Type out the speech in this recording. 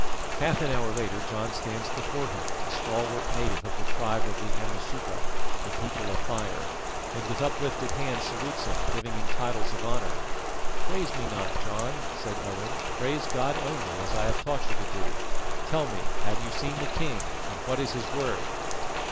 Half an hour later John stands before him, a stalwart native of the tribe of the Amasuka, the People of Fire, and with uplifted hand salutes him, giving him titles of honour. "Praise me not, John," said Owen; "praise God only, as I have taught you to do. Tell me, have you seen the king, and what is his word?"